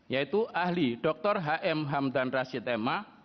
yaitu ahli dr h m hamdan rashid emma